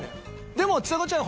でもちさ子ちゃん